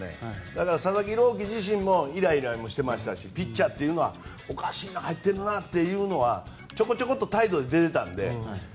だから佐々木朗希自身もイライラしてましたしピッチャーというのはおかしいな入ってるなというのはちょこちょこっと態度に出ていたので。